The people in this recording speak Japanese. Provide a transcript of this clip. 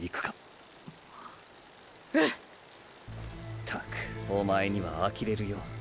ったくおまえにはあきれるよ。